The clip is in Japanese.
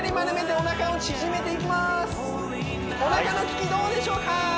おなかのききどうでしょうか？